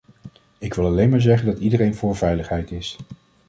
Ik wil alleen maar zeggen dat iedereen voor veiligheid is.